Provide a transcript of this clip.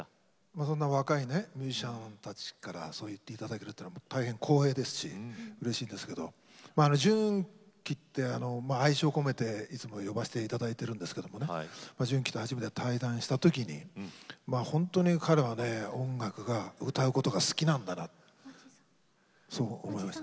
そんな若いねミュージシャンたちからそう言っていただけるというのは大変光栄ですしうれしいんですけどまあ純喜って愛情を込めていつも呼ばせていただいてるんですけどもね純喜と初めて対談した時に本当に彼はね音楽が歌うことが好きなんだなとそう思いました。